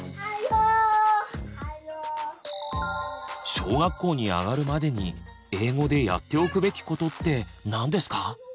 小学校に上がるまでに英語でやっておくべきことって何ですか？